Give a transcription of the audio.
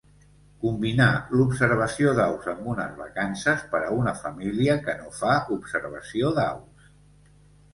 Combinar l'observació d'aus amb unes vacances per a una família que no fa observació d'aus.